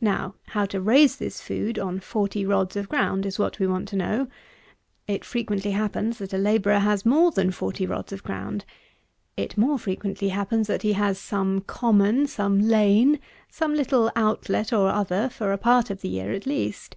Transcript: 116. Now, how to raise this food on 40 rods of ground is what we want to know. It frequently happens that a labourer has more than 40 rods of ground. It more frequently happens, that he has some common, some lane, some little out let or other, for a part of the year, at least.